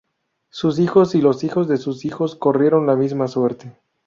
Sus hijos, y los hijos de sus hijos corrieron la misma suerte.